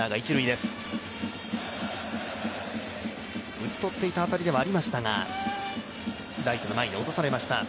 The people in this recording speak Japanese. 打ち取っていた当たりではありましたがライトの前に落とされました。